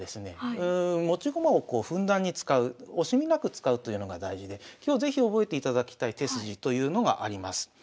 持ち駒をこうふんだんに使う惜しみなく使うというのが大事で今日是非覚えていただきたい手筋というのがあります。